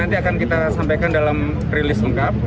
nanti akan kita sampaikan dalam rilis lengkap